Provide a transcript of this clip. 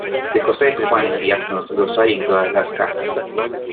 De Josés, Juanes y asnos, los hay en todas las casas.